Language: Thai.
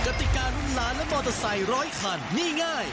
ติการุ้นล้านและมอเตอร์ไซค์ร้อยคันนี่ง่าย